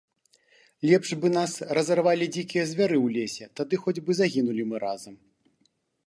- Лепш бы нас разарвалі дзікія звяры ў лесе, тады хоць бы загінулі мы разам